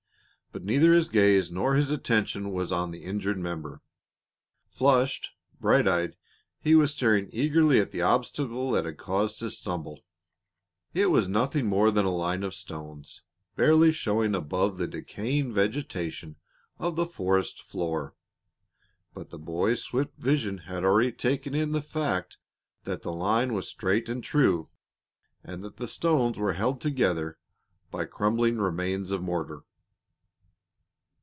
But neither his gaze nor his attention was on the injured member. Flushed, bright eyed, he was staring eagerly at the obstacle that had caused his tumble. It was nothing more than a line of stones, barely showing above the decaying vegetation of the forest floor. But the boy's swift vision had already taken in the fact that the line was straight and true, and that the stones were held together by crumbling remains of mortar.